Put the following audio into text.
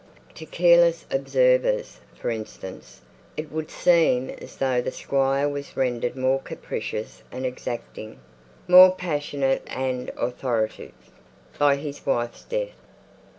To careless observers, for instance, it would seem as though the Squire was rendered more capricious and exacting, more passionate and authoritative, by his wife's death.